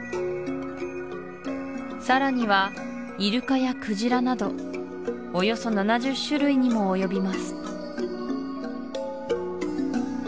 さらにはイルカやクジラなどおよそ７０種類にも及びます